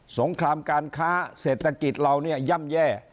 งครามการค้าเศรษฐกิจเราเนี่ยย่ำแย่